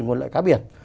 nguồn lợi cá biển